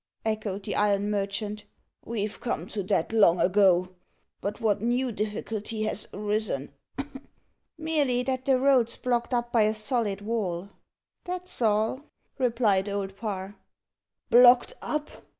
echoed the iron merchant. "We've come to that long ago. But what new difficulty has arisen?" "Merely that the road's blocked up by a solid wall that's all," replied Old Parr. "Blocked up!"